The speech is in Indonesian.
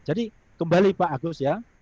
jadi kembali pak agus ya